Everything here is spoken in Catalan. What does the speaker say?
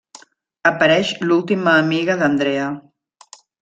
Apareix l'última amiga d'Andrea.